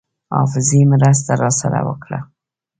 حافظې مرسته راسره وکړه.